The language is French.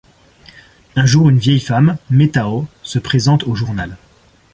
Un jour une vieille femme, Me'Tau, se présente au journal.